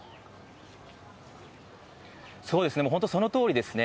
そうですね、もう本当そのとおりですね。